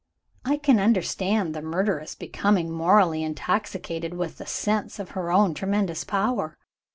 I can understand the murderess becoming morally intoxicated with the sense of her own tremendous power.